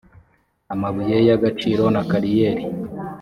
amabuye y’agaciro na kariyeri